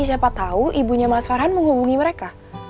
siapa tahu ibunya mas farhan menghubungi mereka